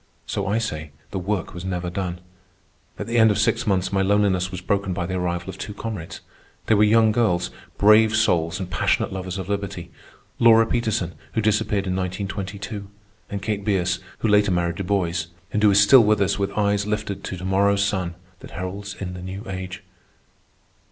So I say, the work was never done. At the end of six months my loneliness was broken by the arrival of two comrades. They were young girls, brave souls and passionate lovers of liberty: Lora Peterson, who disappeared in 1922, and Kate Bierce, who later married Du Bois, and who is still with us with eyes lifted to to morrow's sun, that heralds in the new age.